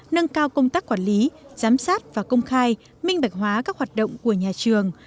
nâng cao công tác quản lý giám sát và công khai minh bạch hóa các hoạt động của nhà trường